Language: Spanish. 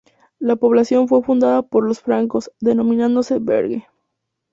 La población fue fundada por los francos, denominándose "Berge".